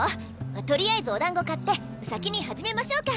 とりあえずお団子買って先に始めましょうか。